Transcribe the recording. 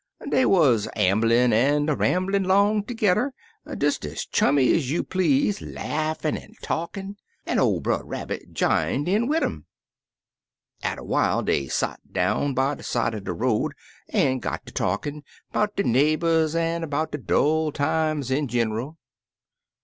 Dey wuz amblin' an' a ramblin' 'long tergedder, des ez chummy ez you please, laughin' an' talkin', an' ol' Brer Rabbit j'ined in wid um. Atter while dey sot down by de side er de road, an' got ter talkin' 'bout der neighbors an' 'bout de dull times in ginerl.